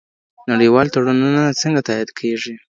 نړیوال تړونونه څنګه تایید کیږي؟